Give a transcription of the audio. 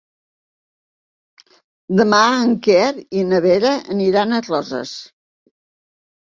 Demà en Quer i na Vera aniran a Roses.